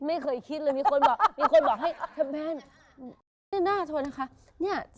ไม่เคยคิดเลยมีคนบอกให้แม่นด้วยหน้าเถอะนะคะ